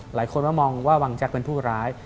หลายคนมามองว่าวังแจ๊กเป็นผู้ร้าย